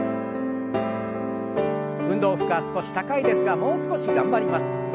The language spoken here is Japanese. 運動負荷少し高いですがもう少し頑張ります。